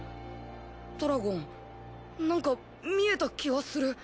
トラゴンなんか見えた気がする。